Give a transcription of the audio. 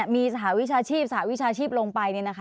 มีสหวิชาชีพสหวิชาชีพลงไป